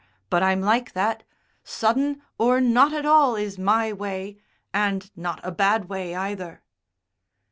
But I'm like that. Sudden or not at all is my way, and not a bad way either!"